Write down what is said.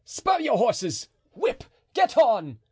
"Spur your horses! whip! get on!"